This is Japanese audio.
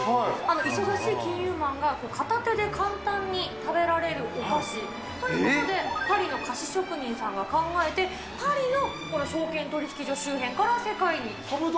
忙しい金融マンが片手で簡単に食べられるお菓子ということで、パリの菓子職人さんが考えて、パリの証券取引所周辺から、世界に。